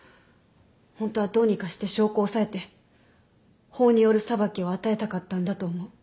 ホントはどうにかして証拠を押さえて法による裁きを与えたかったんだと思う。